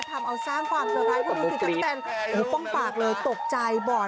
ทำเอาสร้างตกใจสมุขลุกฟ้างฝากเลยตกใจบ่อน